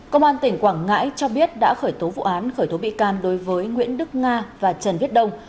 công an tỉnh quảng ngãi cho biết đã khởi tố vụ án khởi tố bị can đối với nguyễn đức nga và trần viết đông